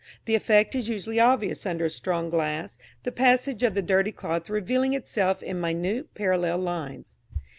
The effect is usually obvious under a strong glass, the passage of the dirty cloth revealing itself in minute parallel lines.